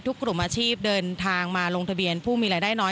กลุ่มอาชีพเดินทางมาลงทะเบียนผู้มีรายได้น้อย